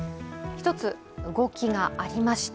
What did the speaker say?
１つ、動きがありました。